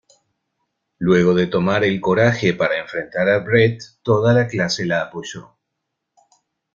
Luego de tomar el coraje para enfrentar a Britt, toda la clase la apoyó.